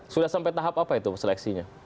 sudah sampai tahap apa itu seleksinya